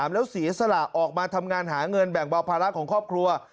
แล้วศีรษระออกมาทำงานหาเงินแบ่งบ่าพละของครอบครัว